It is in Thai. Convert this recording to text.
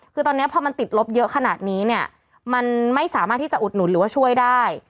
คือตอนนี้พอมันติดลบเยอะขนาดนี้เนี่ยมันไม่สามารถที่จะอุดหนุนหรือว่าช่วยได้